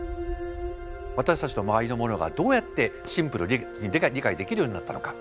私たちの周りのものがどうやってシンプルで理解できるようになったのか。